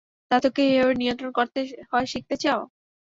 ধাতুকে কীভাবে নিয়ন্ত্রণ করতে হয় শিখতে চাও?